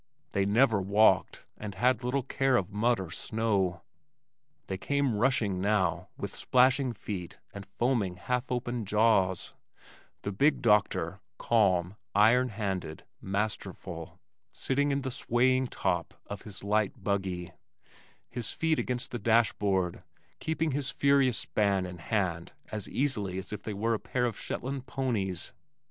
They never walked and had little care of mud or snow. They came rushing now with splashing feet and foaming, half open jaws, the big doctor, calm, iron handed, masterful, sitting in the swaying top of his light buggy, his feet against the dash board, keeping his furious span in hand as easily as if they were a pair of Shetland ponies.